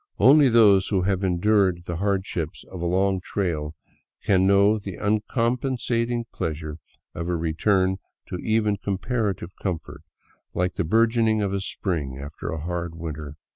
Only those who have endured the hardships of a long trail can know the compensating pleasure of a return to even comparative comfort, like the burgeoning of spring after a hard winter.